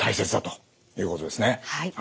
はい。